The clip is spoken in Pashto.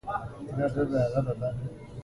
ځینې محصلین د خپلو لیکنو له لارې ځان څرګندوي.